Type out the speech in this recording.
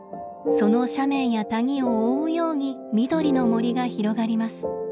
その斜面や谷を覆うように緑の森が広がります。